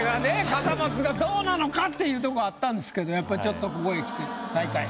笠松がどうなのかっていうとこあったんですけどやっぱここへきて最下位。